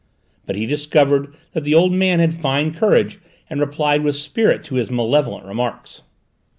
But he discovered that the old man had fine courage and replied with spirit to his malevolent remarks.